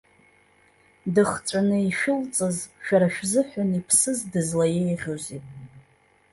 Дыхҵәаны ишәылҵыз, шәара шәзыҳәан иԥсыз дызлаиеиӷьузеи?!